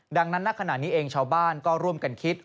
ดังนั้นณขณะนี้เองชาวบ้านก็ร่วมกันคิด